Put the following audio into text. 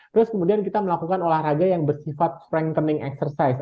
terus kemudian kita melakukan olahraga yang bersifat strengthening exercise